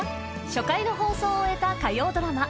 初回の放送を終えた火曜ドラマ